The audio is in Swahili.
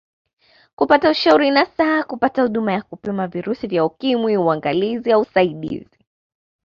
Kupata ushauri nasaha kupata huduma ya kupima virusi vya Ukimwi uangalizi au usaidizi